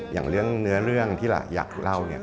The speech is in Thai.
อย่างเรื่องที่อยากเล่าเนี่ย